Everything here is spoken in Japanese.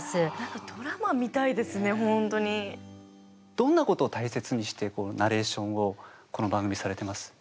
どんなことを大切にしてナレーションをこの番組されてます？